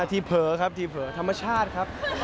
ที่เผลอครับที่เผลอธรรมชาติครับ